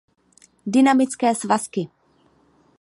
Dynamické svazky.